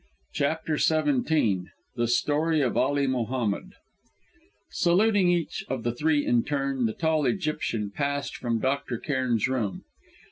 CHAPTER XVII THE STORY OF ALI MOHAMMED Saluting each of the three in turn, the tall Egyptian passed from Dr. Cairn's room.